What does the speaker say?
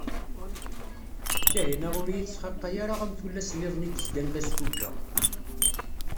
Kahina ur iyi-tesxaqay ara am tullas-niḍen i yezgan d asfuǧǧeɣ.